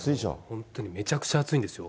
本当にめちゃくちゃ暑いですよ。